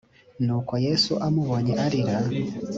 nuko yesu amubonye arira